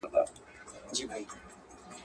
¬ بار به دي په شا کم، توان به دي تر ملا کم.